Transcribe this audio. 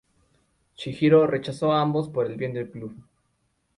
Chihiro rechazo a ambos, por el bien del club.